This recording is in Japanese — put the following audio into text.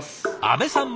阿部さん